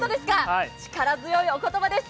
力強いお言葉です。